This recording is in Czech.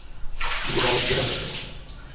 Studoval v Bělehradě.